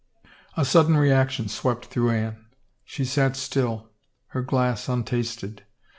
A sudden reaction swept through Anne. She sat still, her glass untasted.